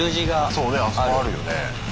そうねあそこあるよね。